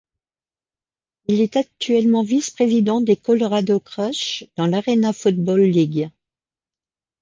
Il est actuellement vice-président des Colorado Crush dans l'Arena Football League.